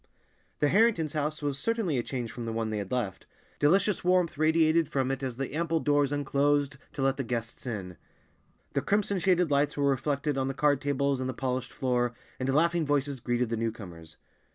The Harringtons' house was certainly a change from the one they had left. Delicious warmth radiated from it as the ample doors unclosed to let the guests in; the crimson shaded lights were reflected on the card tables and the polished floor, and laughing voices greeted the newcomers.